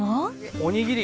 おにぎり。